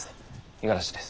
五十嵐です。